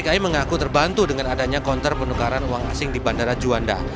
pemprov dki mengaku terbantu dengan adanya konter penukaran uang asing di bandara juanda